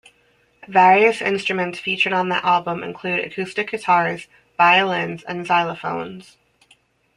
Various instruments featured on the album include acoustic guitars, violins and xylophones.